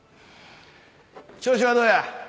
調子はどうや？